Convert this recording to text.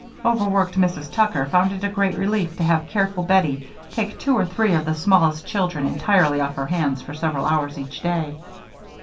Overworked Mrs. Tucker found it a great relief to have careful Bettie take two or three of the smallest children entirely off her hands for several hours each day.